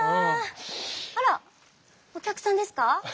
あらお客さんですか。